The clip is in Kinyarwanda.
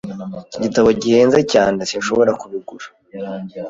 Iki gitabo gihenze cyane. Sinshobora kubigura.